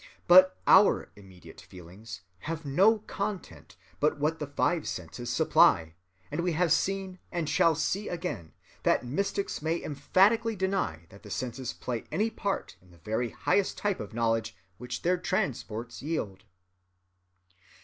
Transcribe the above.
But our immediate feelings have no content but what the five senses supply; and we have seen and shall see again that mystics may emphatically deny that the senses play any part in the very highest type of knowledge which their transports yield.